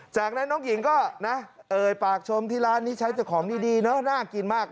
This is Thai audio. จากนั้นน้องหญิงก็นะเอ่ยปากชมที่ร้านนี้ใช้แต่ของดีเนอะน่ากินมาก